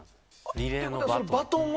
リレーのバトン。